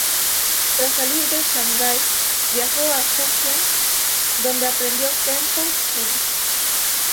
Tras salir de Shanghái viajó a Fujian, donde aprendió kenpo chino.